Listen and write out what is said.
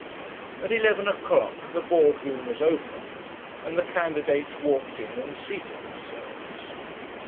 At eleven o'clock the Board room was opened, and the candidates walked in and seated themselves.